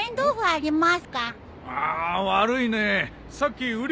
ああ悪いねえ。